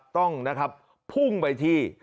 ต้องพุ่งไปที่